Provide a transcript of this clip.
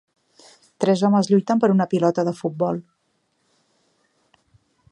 Tres homes lluiten per una pilota de futbol.